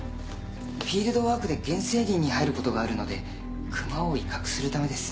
フィールドワークで原生林に入ることがあるので熊を威嚇するためです。